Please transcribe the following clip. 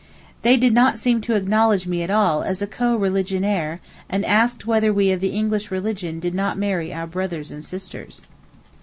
They did not seem to acknowledge me at all as a co religionnaire, and asked whether we of the English religion did not marry our brothers and sisters.